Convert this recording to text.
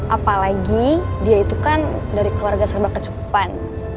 apalagi dia itu kan dari keluarga serba kecukupan